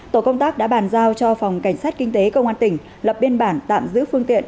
tổ công tác đã bàn giao cho phòng cảnh sát kinh tế công an tỉnh lập biên bản tạm giữ phương tiện